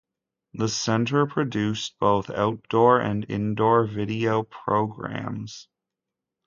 The centre produce both outdoor and indoor video programmes.